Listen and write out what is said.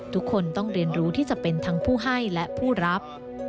ทุกคนต้องเรียนรู้ที่จะเป็นทั้งผู้ให้และผู้รับ